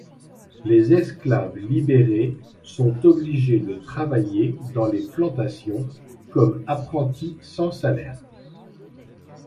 Les esclaves libérés sont obligés de travailler dans les plantations comme apprentis sans salaire.